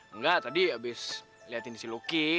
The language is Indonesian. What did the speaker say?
enggak tadi abis liatin si lucky